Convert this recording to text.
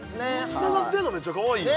つながってるのめっちゃかわいいよな